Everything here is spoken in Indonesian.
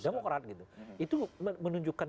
demokrat gitu itu menunjukkan